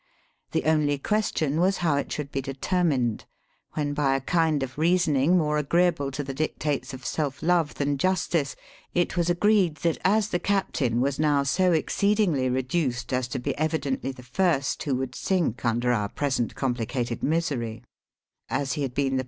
The only question \\vs how it should be determined ; when by a kind of reasoning more agreeable i<> s of self love than justice, it was agreed, that as the captain was now so excec* hiced as to be evidently the first who would sink under our present complicated misery ; as he had been the.